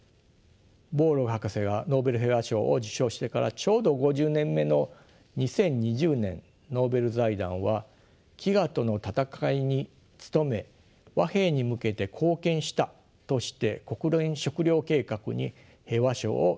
ボーローグ博士がノーベル平和賞を受賞してからちょうど５０年目の２０２０年ノーベル財団は飢餓との闘いに努め和平に向けて貢献したとして国連食糧計画に平和賞を授与しています。